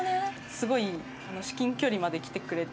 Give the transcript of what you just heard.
すごい至近距離まで来てくれて。